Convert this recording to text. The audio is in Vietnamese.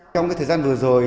trong cái thời gian vừa rồi